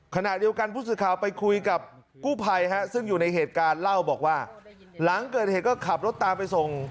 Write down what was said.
ขณะเดียวกันผู้สื่อข่าวไปคุยกับกู้ภัยซึ่งอยู่ในเหตุการณ์เล่าบอกว่าหลังเกิดเหตุก็ขับรถตามไปส่ง